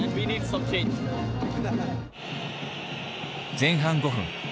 前半５分。